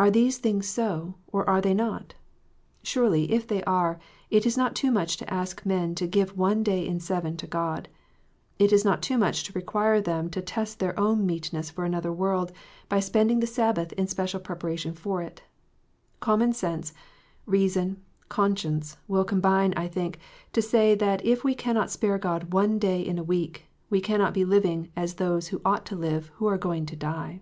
Are these things so, or are they not ? Surely, if they are, it is not too much to ask men to give one day in seven to God ; it is not too much to require them to test their own meetness for another world, by spending the Sabbath in special preparation for it. Common sense, reason, conscience, will combine, I think, to say, that if we cannot spare God one day in a week, we cannot be living as those ought to live who are going to die.